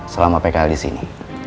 selama pkl disini